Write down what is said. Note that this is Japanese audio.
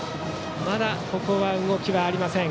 まだ動きはありません。